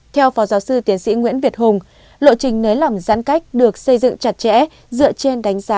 theo phó giáo sư tiến sĩ nguyễn việt hùng lộ trình nới lỏng giãn cách được xây dựng chặt chẽ dựa trên đánh giá